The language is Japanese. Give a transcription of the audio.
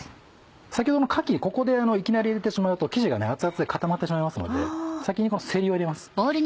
先ほどのかきここでいきなり入れてしまうと生地が熱々で固まってしまいますので先にせりを入れます。